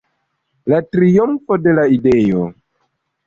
La triumfo de la ideo!